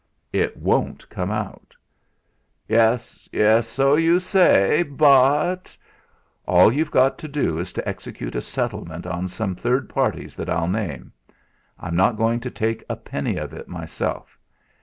"It won't come out." "Yes, yes, so you say, but " "All you've got to do's to execute a settlement on some third parties that I'll name. I'm not going to take a penny of it myself.